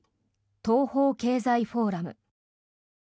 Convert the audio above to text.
東方経済フォーラム。